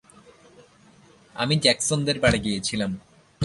আমি জ্যাকসনদের বাড়ি গিয়েছিলাম।